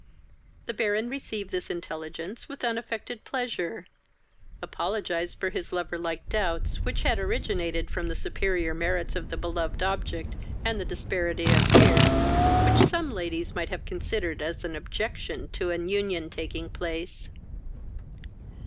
The Baron received this intelligence with unaffected pleasure, apologized for his lover like doubts, which had originated from the superior merits of the beloved object, and the disparity of years, which some ladies might have considered as an objection to an union taking place.